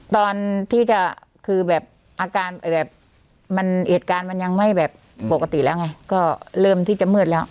ตอนที่จะคือแบบอาการแบบมันเหตุการณ์มันยังไม่แบบปกติแล้วไงก็เริ่มที่จะมืดแล้ว